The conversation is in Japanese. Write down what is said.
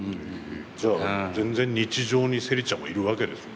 じゃあ全然、日常にセリちゃんはいるわけですね。